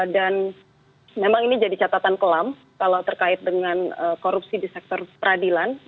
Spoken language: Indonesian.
dan memang ini jadi catatan kelam kalau terkait dengan korupsi di sektor peradilan